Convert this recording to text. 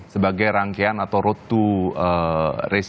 sebagai rangkaian atau road to race